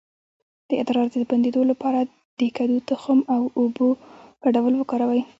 د ادرار د بندیدو لپاره د کدو د تخم او اوبو ګډول وکاروئ